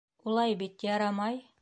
Улай бит ярамай.